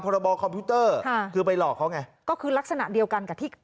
บอคอมพิวเตอร์ค่ะคือไปหลอกเขาไงก็คือลักษณะเดียวกันกับที่